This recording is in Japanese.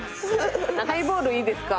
ハイボールいいですか？